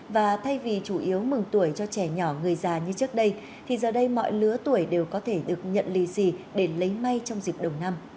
và thay vì chủ yếu mừng tuổi cho trẻ nhỏ người già như trước đây thì giờ đây mọi lứa tuổi đều có thể được nhận lì xì để lấy may trong dịp đầu năm